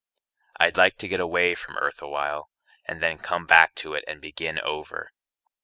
I'd like to get away from earth awhile And then come back to it and begin over.